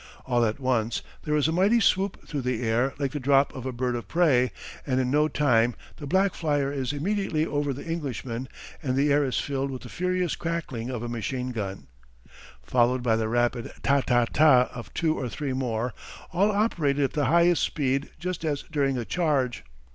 All at once there is a mighty swoop through the air like the drop of a bird of prey, and in no time the black flyer is immediately over the Englishman and the air is filled with the furious crackling of a machine gun, followed by the rapid ta ta ta of two or three more, all operated at the highest speed just as during a charge.